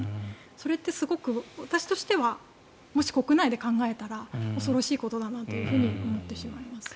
それってすごく私としてはもし国内で考えたら恐ろしいことだなと思ってしまいます。